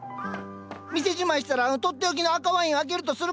店じまいしたらとっておきの赤ワイン開けるとするか。